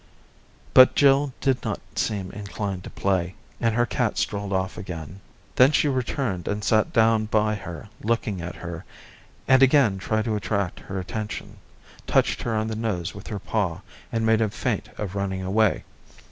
But Jill did not seem inclined to play, and her cat strolled off again. Then she returned and sat down by her looking at her, and again tried to attract her attention, touched her on the nose with her paw, and made a feint of running away.